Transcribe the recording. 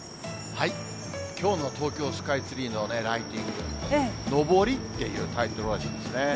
きょうの東京スカイツリーのライティング、のぼりっていうタイトルらしいんですね。